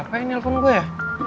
apa ini telepon gue ya